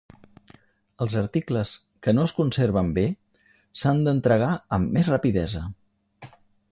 Els articles que no es conserven bé s'han d'entregar amb més rapidesa.